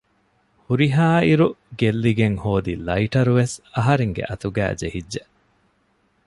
ހުރިހާއިރު ގެއްލިގެން ހޯދި ލައިޓަރުވެސް އަހަރެންގެ އަތުގައި ޖެހިއްޖެ